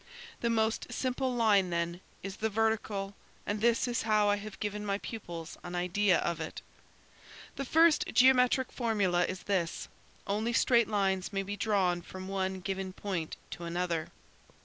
The most simple line then, is the vertical, and this is how I have given my pupils an idea of it. "The first geometric formula is this: only straight lines may be drawn from one given point to another.